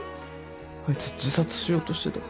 あいつ自殺しようとしてた。